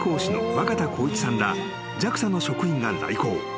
若田光一さんらＪＡＸＡの職員が来校］